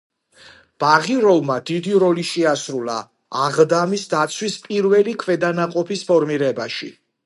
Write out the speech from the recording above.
ბაღიროვმა დიდი როლი შეასრულა აღდამის დაცვის პირველი ქვედანაყოფების ფორმირებაში.